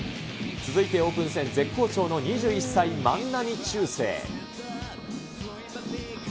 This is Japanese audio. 続いて、オープン戦絶好調の２１歳、万波中正。